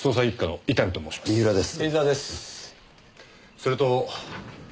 それと。